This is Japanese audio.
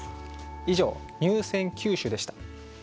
以上入選九首でした。